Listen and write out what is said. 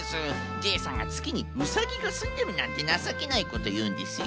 ジェイさんがつきにうさぎがすんでるなんてなさけないこというんですよ。